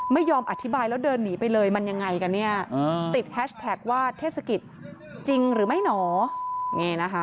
ไม่ยอมอธิบายแล้วเดินหนีไปเลยมันยังไงกันเนี่ยติดแฮชแท็กว่าเทศกิจจริงหรือไม่หนอนี่นะคะ